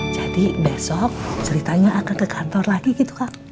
jadi besok ceritanya akan ke kantor lagi gitu kak